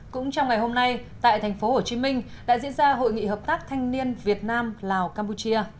cũng trong ngày hôm nay tại thành phố hồ chí minh đã diễn ra hội nghị hợp tác thanh niên việt nam lào campuchia